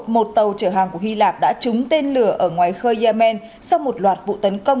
một tàu chở hàng của hy lạp đã trúng tên lửa ở ngoài khơi yemen sau một loạt vụ tấn công